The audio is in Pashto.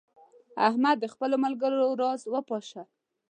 احمد د خپلو ملګرو راز وپاشه.